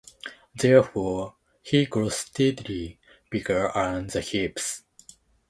Therefore, he grows steadily bigger around the hips.